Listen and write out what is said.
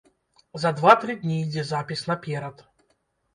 За два-тры дні ідзе запіс наперад.